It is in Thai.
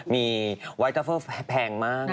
มีไวท์ทรัฟเฟิลแพงมาก